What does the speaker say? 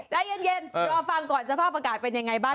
ใจเย็นรอฟังก่อนสภาพอากาศเป็นยังไงบ้าง